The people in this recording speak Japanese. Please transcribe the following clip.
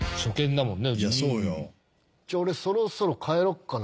じゃあ俺そろそろ帰ろっかな。